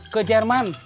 ke tempat yang lain